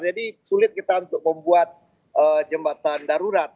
jadi sulit kita untuk membuat jembatan darurat